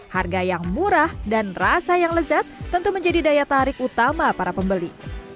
harga yang murah dan rasa yang lezat tentu menjadi daya tarik utama para pembeli